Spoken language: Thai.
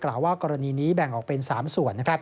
ว่ากรณีนี้แบ่งออกเป็น๓ส่วน